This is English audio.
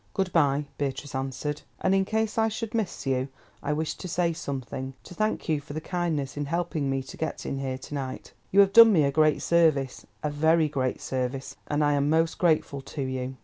"Good bye," Beatrice answered, "and in case I should miss you, I wish to say something—to thank you for your kindness in helping me to get in here to night. You have done me a great service, a very great service, and I am most grateful to you."